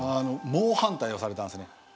猛反対をされたんですね。